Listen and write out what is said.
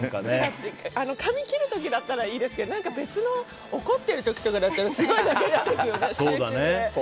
紙切る時だったらいいですけど別の、怒ってる時とかだとあれですよね。